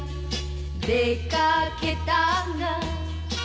「出掛けたが」